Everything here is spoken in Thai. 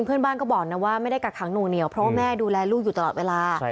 เพื่อนบ้านก็บอกนะว่าไม่ได้กักขังหนูเหนียวเพราะว่าแม่ดูแลลูกอยู่ตลอดเวลา